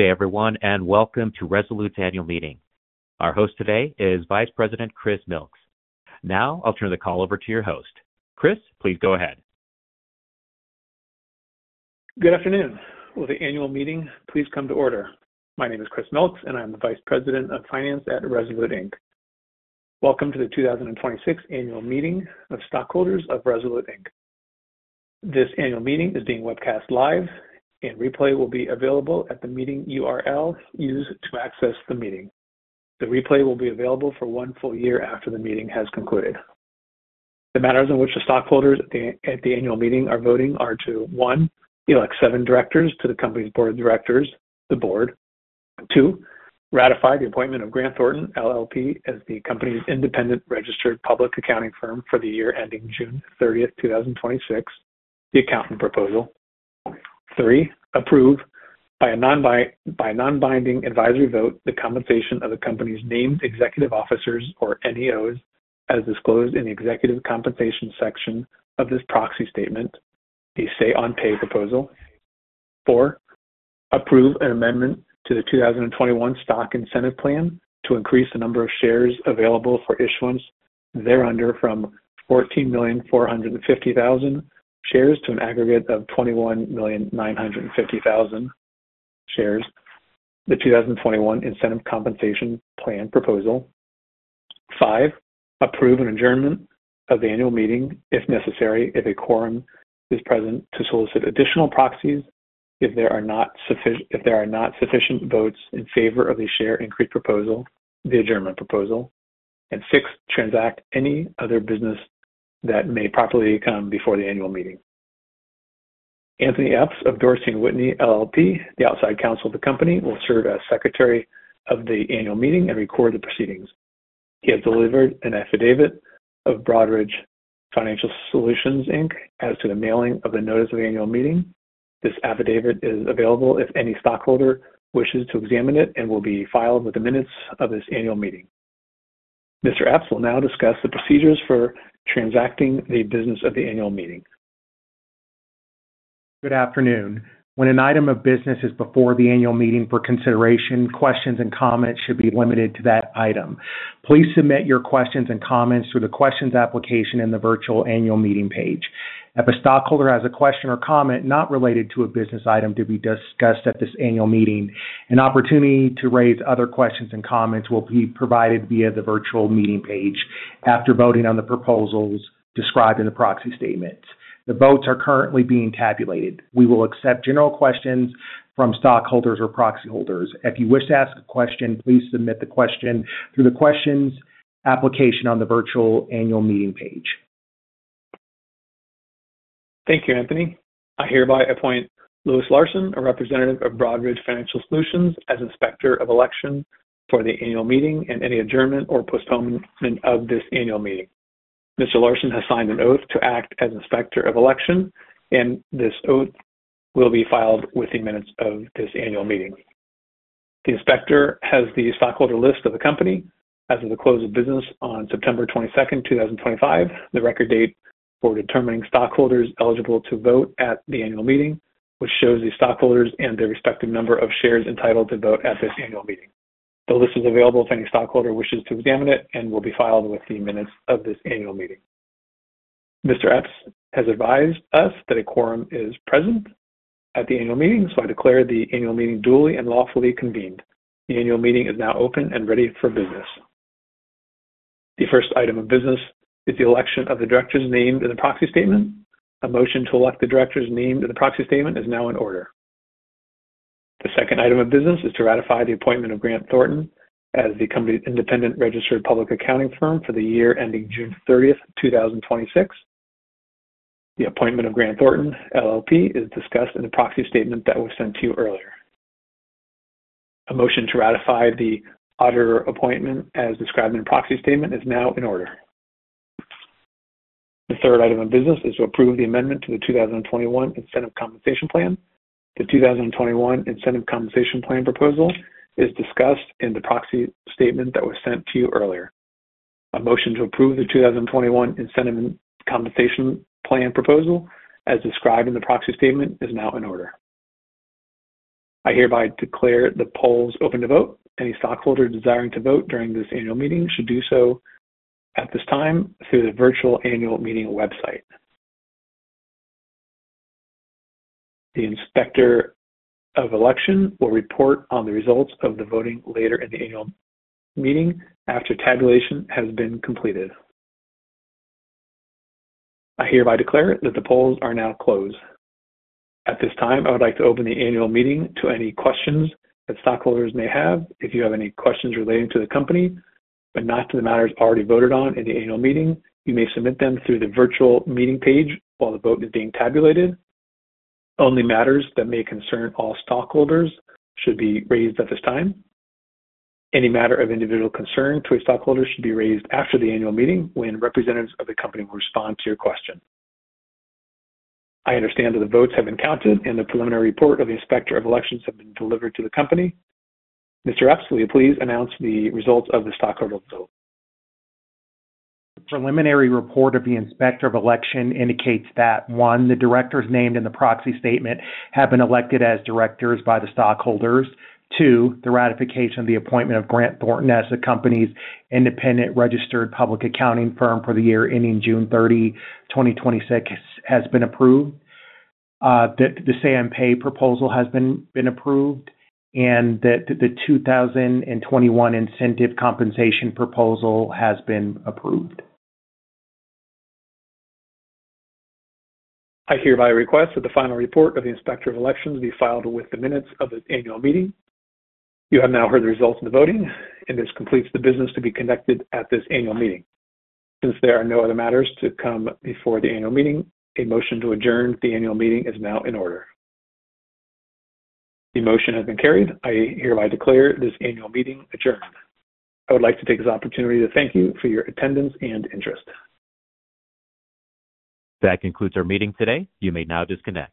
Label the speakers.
Speaker 1: Good day, everyone, and welcome to Rezolute's annual meeting. Our host today is Vice President Chris Milks. Now, I'll turn the call over to your host. Chris, please go ahead.
Speaker 2: Good afternoon. The annual meeting, please come to order. My name is Chris Milks, and I'm the Vice President of Finance at Resolute Inc. Welcome to the 2026 annual meeting of stockholders of Resolute Inc. This annual meeting is being webcast live, and replay will be available at the meeting URL used to access the meeting. The replay will be available for one full year after the meeting has concluded. The matters in which the stockholders at the annual meeting are voting are to: one, elect seven directors to the company's Board of Directors, the board; two, ratify the appointment of Grant Thornton LLP as the company's independent registered public accounting firm for the year ending June 30th, 2026, the accounting proposal; three, approve by a non-binding advisory vote the compensation of the company's named executive officers, or NEOs, as disclosed in the executive compensation section of this proxy statement, the stay-on-pay proposal; four, approve an amendment to the 2021 Stock Incentive Plan to increase the number of shares available for issuance thereunder from 14,450,000 shares to an aggregate of 21,950,000 shares, the 2021 incentive compensation plan proposal; five, approve an adjournment of the annual meeting if necessary, if a quorum is present, to solicit additional proxies if there are not sufficient votes in favor of the share increase proposal, the Adjournment Proposal; and six, transact any other business that may properly come before the annual meeting. Anthony Epps of Dorsey & Whitney LLP, the outside counsel of the company, will serve as secretary of the annual meeting and record the proceedings. He has delivered an affidavit of Broadridge Financial Solutions Inc. as to the mailing of the notice of the annual meeting. This affidavit is available if any stockholder wishes to examine it and will be filed with the minutes of this annual meeting. Mr. Epps will now discuss the procedures for transacting the business of the annual meeting.
Speaker 3: Good afternoon. When an item of business is before the annual meeting for consideration, questions and comments should be limited to that item. Please submit your questions and comments through the questions application in the virtual annual meeting page. If a stockholder has a question or comment not related to a business item to be discussed at this annual meeting, an opportunity to raise other questions and comments will be provided via the virtual meeting page after voting on the proposals described in the proxy statement. The votes are currently being tabulated. We will accept general questions from stockholders or proxy holders. If you wish to ask a question, please submit the question through the questions application on the virtual annual meeting page.
Speaker 2: Thank you, Anthony. I hereby appoint Louis Larsen, a representative of Broadridge Financial Solutions, as inspector of election for the annual meeting and any adjournment or postponement of this annual meeting. Mr. Larsen has signed an oath to act as inspector of election, and this oath will be filed with the minutes of this annual meeting. The inspector has the stockholder list of the company as of the close of business on September 22nd, 2025, the record date for determining stockholders eligible to vote at the annual meeting, which shows the stockholders and their respective number of shares entitled to vote at this annual meeting. The list is available if any stockholder wishes to examine it and will be filed with the minutes of this annual meeting. Mr. Epps has advised us that a quorum is present at the annual meeting, so I declare the annual meeting duly and lawfully convened. The annual meeting is now open and ready for business. The first item of business is the election of the directors named in the proxy statement. A motion to elect the directors named in the proxy statement is now in order. The second item of business is to ratify the appointment of Grant Thornton as the company's independent registered public accounting firm for the year ending June 30th, 2026. The appointment of Grant Thornton LLP is discussed in the proxy statement that was sent to you earlier. A motion to ratify the auditor appointment as described in the proxy statement is now in order. The third item of business is to approve the amendment to the 2021 incentive compensation plan. The 2021 incentive compensation plan proposal is discussed in the proxy statement that was sent to you earlier. A motion to approve the 2021 incentive compensation plan proposal as described in the proxy statement is now in order. I hereby declare the polls open to vote. Any stockholder desiring to vote during this annual meeting should do so at this time through the virtual annual meeting website. The inspector of election will report on the results of the voting later in the annual meeting after tabulation has been completed. I hereby declare that the polls are now closed. At this time, I would like to open the annual meeting to any questions that stockholders may have. If you have any questions relating to the company but not to the matters already voted on in the annual meeting, you may submit them through the virtual meeting page while the vote is being tabulated. Only matters that may concern all stockholders should be raised at this time. Any matter of individual concern to a stockholder should be raised after the annual meeting when representatives of the company will respond to your question. I understand that the votes have been counted and the preliminary report of the inspector of elections has been delivered to the company. Mr. Epps, will you please announce the results of the stockholder vote?
Speaker 3: Preliminary report of the inspector of election indicates that, one, the directors named in the proxy statement have been elected as directors by the stockholders. Two, the ratification of the appointment of Grant Thornton as the company's independent registered public accounting firm for the year ending June 30, 2026, has been approved. That the stay-on-pay proposal has been approved. And that the 2021 incentive compensation proposal has been approved.
Speaker 2: I hereby request that the final report of the inspector of elections be filed with the minutes of this annual meeting. You have now heard the results of the voting, and this completes the business to be conducted at this annual meeting. Since there are no other matters to come before the annual meeting, a motion to adjourn the annual meeting is now in order. The motion has been carried. I hereby declare this annual meeting adjourned. I would like to take this opportunity to thank you for your attendance and interest.
Speaker 1: That concludes our meeting today. You may now disconnect.